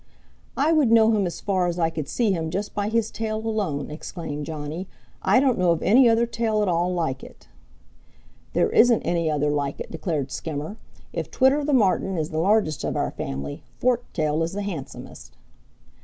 "I would know him as far as I could see him just by his tail alone," exclaimed Johnny. "I don't know of any other tail at all like it." "There isn't any other like it," declared Skimmer. "If Twitter the Martin is the largest of our family, Forktail is the handsomest."